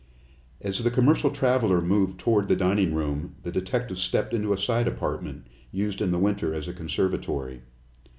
As the commercial traveler moved toward the dining room, the detective stepped into a side apartment, used in the winter as a conservatory.